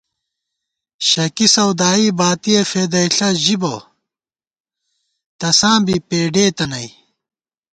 شکی سَودائی باتی فېدَئیݪہ ژِبہ، تساں بی پېڈېتہ نئ